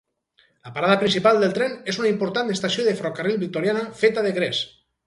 La parada principal del tren és una important estació de ferrocarril victoriana feta de gres.